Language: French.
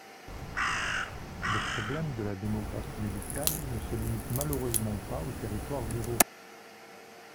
Le problème de la démographie médicale ne se limite malheureusement pas aux territoires ruraux.